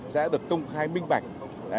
sẽ được công khai minh bạch